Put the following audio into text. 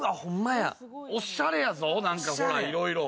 おしゃれやぞ、なんか、いろいろ。